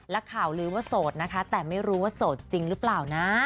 และข่าวลืมว่าโสดนะคะแต่ไม่รู้ว่าโสดจริงหรือเปล่านะ